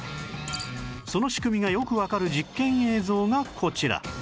その仕組みがよくわかる実験映像がこちら